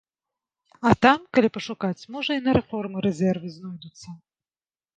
А там, калі пашукаць, можа і на рэформы рэзервы знойдуцца.